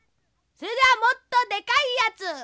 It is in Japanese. それではもっとでかいやつ！